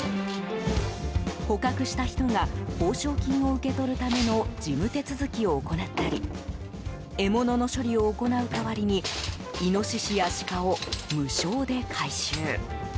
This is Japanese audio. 捕獲した人が報奨金を受け取るための事務手続きを行ったり獲物の処理を行う代わりにイノシシやシカを無償で回収。